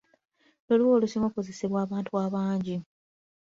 Luli wa olusinga okukozesebwa abantu abangi?